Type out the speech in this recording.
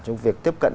trong việc tiếp cận